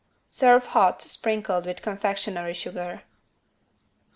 Serve hot sprinkled with confectionery sugar.